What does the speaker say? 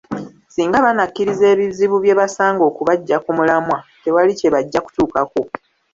Singa bannakkiriza ebizibu bye basanga okubaggya ku mulamwa, tewali kye bajja kutuukako.